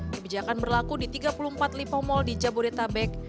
kebijakan berlaku di tiga puluh empat lipo mal di jabodetabek